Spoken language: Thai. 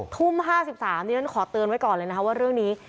ทุ่มห้าสิบสามนี้ฉันขอเตือนไว้ก่อนเลยนะครับว่าเรื่องนี้